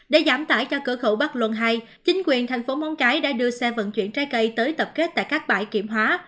để giảm tải cho cửa khẩu bắc luân hai chính quyền thành phố móng cái đã đưa xe vận chuyển trái cây tới tập kết tại các bãi kiểm hóa